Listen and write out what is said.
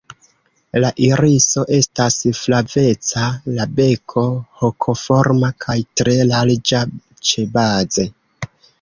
La iriso estas flaveca, la beko hokoforma kaj tre larĝa ĉebaze.